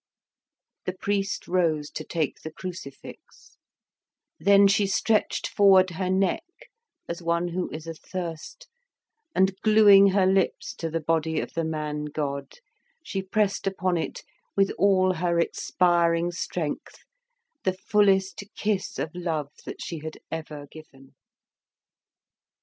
The priest rose to take the crucifix; then she stretched forward her neck as one who is athirst, and glueing her lips to the body of the Man God, she pressed upon it with all her expiring strength the fullest kiss of love that she had ever given.